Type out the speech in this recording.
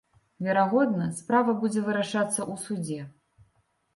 Верагодна, справа будзе вырашацца ў судзе.